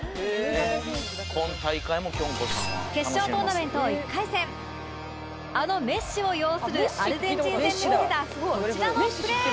決勝トーナメント１回戦あのメッシを擁するアルゼンチン戦で見せたこちらのプレー